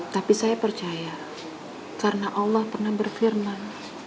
tapi saya percaya karena allah pernah berfirman